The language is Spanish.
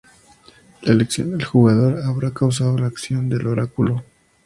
La elección del jugador habrá causado la acción del oráculo.